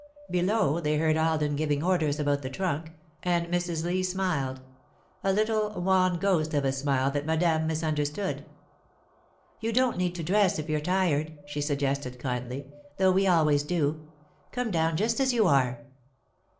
Below, they heard Alden giving orders about the trunk, and Mrs. Lee smiled a little, wan ghost of a smile that Madame misunderstood. [Sidenote: Resting] "You don't need to dress, if you're tired," she suggested, kindly, "though we always do. Come down just as you are."